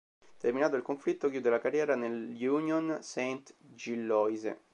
Terminato il conflitto, chiude la carriera nell'Union Saint-Gilloise.